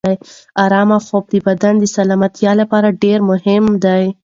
ارامه خوب د بدن د سلامتیا لپاره ډېر مهم دی.